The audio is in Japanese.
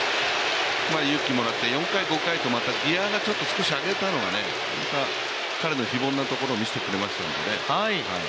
勇気をもらって、４回、５回とギアが少し上がったのが、彼の非凡なところを見せてくれましたね。